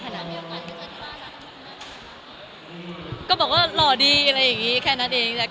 แจ๊คว่าให้ช่วยมากเกี่ยวกันกับดีบ้าน